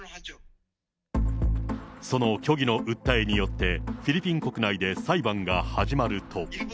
その虚偽の訴えによって、フィリピン国内で裁判が始まると。